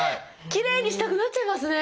きれいにしたくなっちゃいますね。